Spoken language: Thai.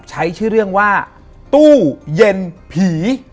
ใช้ชื่อเรื่องว่าตู้เย็นผี